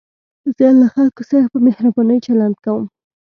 زه له خلکو سره په مهربانۍ چلند کوم.